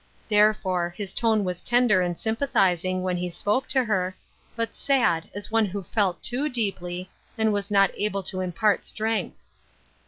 Therefore, his tone was tender and sympathiz ing, when he spoke to her, but sad, as one who felt too deeply, and was not able to impart strength.